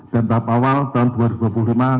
dan tahap awal tahun dua ribu dua puluh lima